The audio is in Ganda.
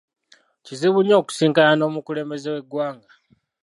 Kizibu nnyo okusisinkana n'omukulembeze w'eggwanga.